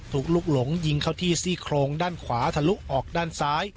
ลูกหลงยิงเข้าที่ซี่โครงด้านขวาทะลุออกด้านซ้าย